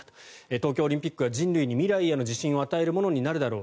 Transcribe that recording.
東京オリンピックは人類に未来への自信を与えるものになるだろう